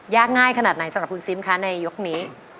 ง่ายขนาดไหนสำหรับคุณซิมคะในยกนี้